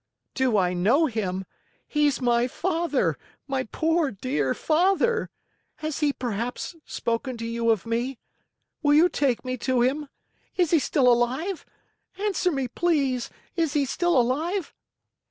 "Do I know him? He's my father, my poor, dear father! Has he, perhaps, spoken to you of me? Will you take me to him? Is he still alive? Answer me, please! Is he still alive?"